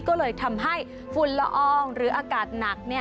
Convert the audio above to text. ก็เลยทำให้ฝุ่นละอองหรืออากาศหนัก